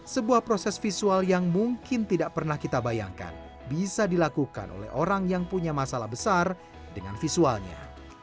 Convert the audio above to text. sebuah proses visual yang mungkin tidak pernah dibilangkan terjadi oleh orang yang punya masalah dengan visualnya